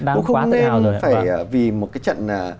cũng không nên phải vì một cái trận